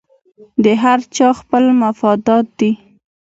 د هر چا خپل خپل مفادات دي